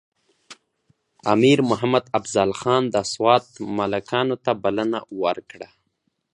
امیر محمد افضل خان د سوات ملکانو ته بلنه ورکړه.